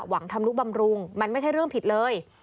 ทำนุบำรุงมันไม่ใช่เรื่องผิดเลย